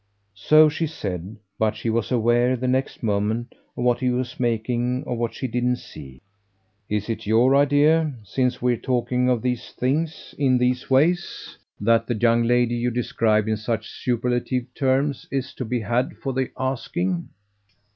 So she said, but she was aware the next moment of what he was making of what she didn't see. "Is it your idea since we're talking of these things in these ways that the young lady you describe in such superlative terms is to be had for the asking?"